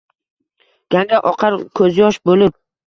Ganga oqar ko’zyosh bo’lib